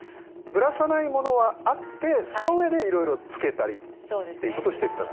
ぶらさないものはあってその上でいろいろつけたりっていうことをしていった。